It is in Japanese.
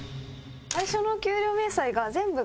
最初の給与明細が全部。